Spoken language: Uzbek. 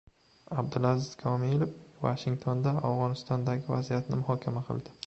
Abdulaziz Komilov Vashingtonda Afg‘onistondagi vaziyatni muhokama qildi